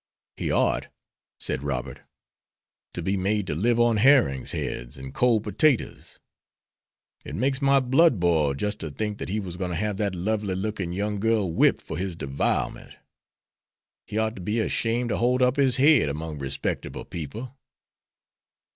"He ought," said Robert, "to be made to live on herrings' heads and cold potatoes. It makes my blood boil just to think that he was going to have that lovely looking young girl whipped for his devilment. He ought to be ashamed to hold up his head among respectable people."